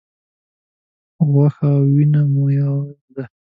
غوښه او وینه مو یوه ده.